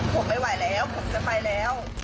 ผมไม่ไหวแล้วผมจะไปแล้ว